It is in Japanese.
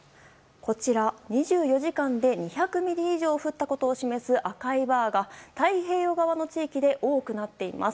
こちら、２４時間で２００ミリ以上降ったことを示す赤いバーが太平洋側の地域で多くなっています。